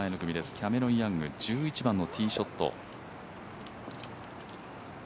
キャメロン・ヤング、１１番のティーショット。